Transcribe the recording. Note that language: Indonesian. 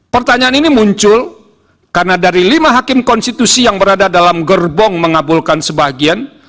pertanyaan ini muncul karena dari lima hakim konstitusi yang berada dalam gerbong mengabulkan sebagian